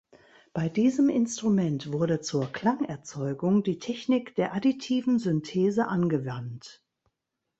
Bei diesem Instrument wurde zur Klangerzeugung die Technik der additiven Synthese angewandt.